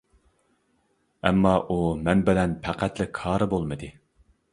ئەمما ئۇ مەن بىلەن پەقەتلا كارى بولمىدى.